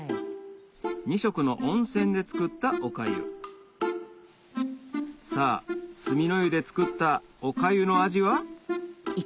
２色の温泉で作ったおかゆさぁ墨の湯で作ったおかゆの味は？